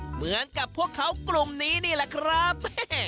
เหมือนกับพวกเขากลุ่มนี้นี่แหละครับ